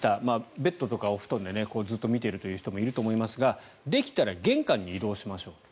ベッドとかお布団でずっと見ている人もいると思いますができたら玄関に移動しましょうと。